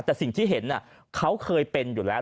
แต่สิ่งที่เห็นเขาเคยเป็นอยู่แล้ว